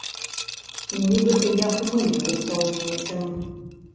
Нібыта я памылілася ў нечым.